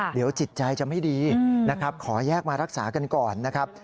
เดี๋ยวจิตใจจะไม่ดีนะครับขอแยกมารักษากันก่อนนะครับ